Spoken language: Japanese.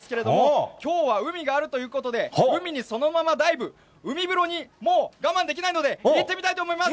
通常のサウナですと、水風呂に入るということなんですけれども、きょうは海があるということで、海にそのままダイブ、海風呂にもう我慢できないので、行ってみたいと思います。